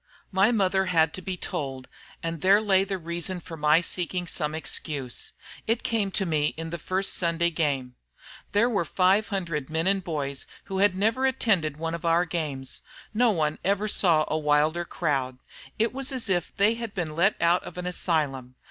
"My mother had to be told, and there lay the reason of my seeking for some excuse. It came to me in the first Sunday game. There were five hundred men and boys who had never attended one of our games. No one ever saw a wilder crowd. It was as if they had been let out of an asylum.